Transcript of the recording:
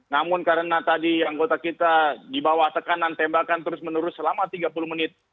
namun karena tadi anggota kita dibawa tekanan tembakan terus menerus selama tiga puluh menit